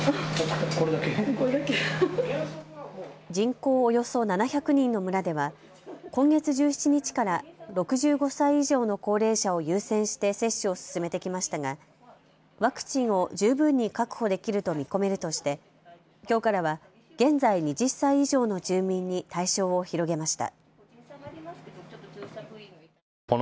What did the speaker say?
人口およそ７００人の村では今月１７日から６５歳以上の高齢者を優先して接種を進めてきましたがワクチンを十分に確保できると見込めるとしてきょうからは現在２０歳以上の住民に対象を広げました。